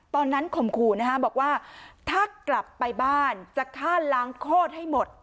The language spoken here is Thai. ข่มขู่นะฮะบอกว่าถ้ากลับไปบ้านจะฆ่าล้างโคตรให้หมด